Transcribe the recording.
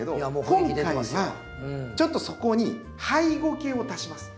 今回はちょっとそこにハイゴケを足します。